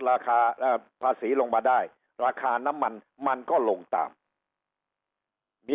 ราคาภาษีลงมาได้ราคาน้ำมันมันก็ลงตามมี